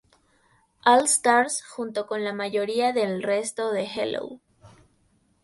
All Stars junto con la mayoría del resto de Hello!